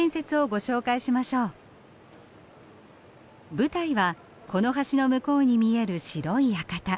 舞台はこの橋の向こうに見える白い館。